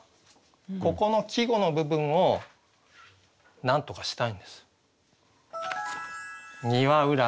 ここの季語の部分をなんとかしたいんです。